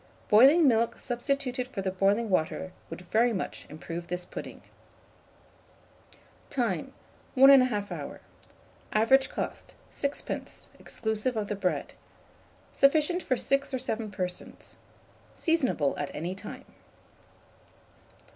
Boiling milk substituted for the boiling water would very much improve this pudding. Time. 1 1/2 hour. Average cost, 6d., exclusive of the bread. Sufficient for 6 or 7 persons. Seasonable at any time.